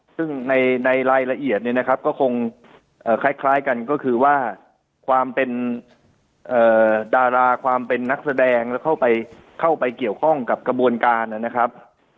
ซึ่งในรายละเอียดเนี่ยนะครับก็คงคล้ายกันก็คือว่าความเป็นดาราความเป็นนักแสดงแล้วเข้าไปเกี่ยวข้องกับกระบวนการนะครับ